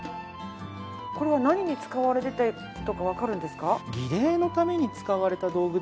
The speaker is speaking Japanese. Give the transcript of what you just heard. これは何に使われてたとかわかるんですか？